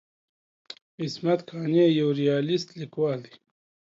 عصمت قانع یو ریالیست لیکوال دی.